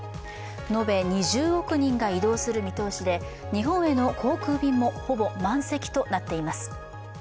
延べ２０億人が移動する見通しで日本への航空便もほぼ満席となっています。